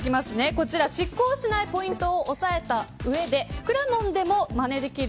こちら失効しないポイントを押さえた上でくらもんでも、まねできる。